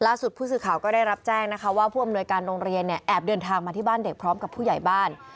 ผู้สื่อข่าวก็ได้รับแจ้งนะคะว่าผู้อำนวยการโรงเรียนเนี่ยแอบเดินทางมาที่บ้านเด็กพร้อมกับผู้ใหญ่บ้าน